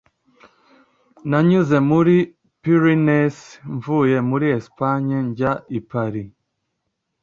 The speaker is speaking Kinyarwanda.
] nanyuze muri pyrenees mvuye muri espagne njya i paris